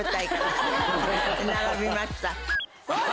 並びました。